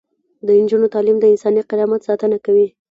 د نجونو تعلیم د انساني کرامت ساتنه کوي.